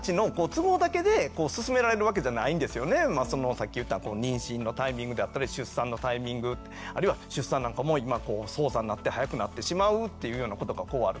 さっき言った妊娠のタイミングであったり出産のタイミングあるいは出産なんかも今早産になって早くなってしまうっていうようなことがこうある。